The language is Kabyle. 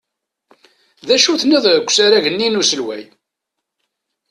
D acu i tenwiḍ g usarag-nni n uselway?